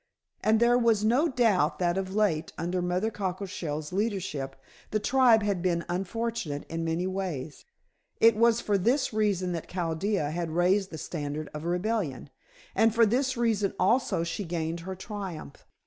And there was no doubt that of late, under Mother Cockleshell's leadership, the tribe had been unfortunate in many ways. It was for this reason that Chaldea had raised the standard of rebellion, and for this reason also she gained her triumph.